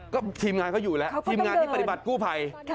ก็ทีมงานเขาอยู่แล้วทีมงานที่ปฏิบัติกู้ภัย